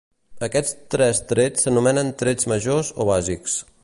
Aquests tres trets s'anomenen trets majors o bàsics.